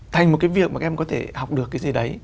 thành một cái việc mà các em có thể học được cái gì đấy